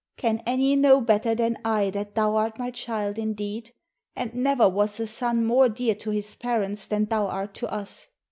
Can any know better than I that thou art my child indeed? and never was a son more dear to his parents than thou art to us."